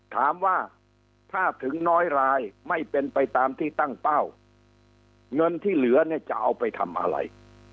ถามว่าถ้าถึงน้อยรายไม่เป็นไปตามที่ตั้งเป้าเงินที่เหลือเนี่ยจะเอาไปทำอะไร